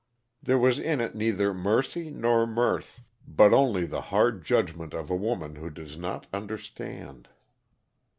There was in it neither mercy nor mirth, but only the hard judgment of a woman who does not understand.